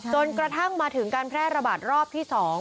จนกระทั่งมาถึงการแพร่ระบาดรอบที่๒